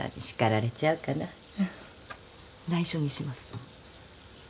内緒にします。